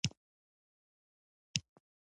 په شریکه پانګونه کې مېشت کس اوه شپېته سلنه ورکوله